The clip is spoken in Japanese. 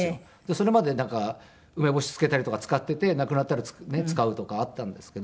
それまで梅干し漬けたりとか使っていて亡くなったら使うとかあったんですけど。